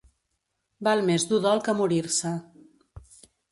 Val més dur dol que morir-se.